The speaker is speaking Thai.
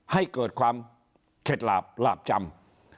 ให้เกิดความเข็ดหลาบหลาบจำ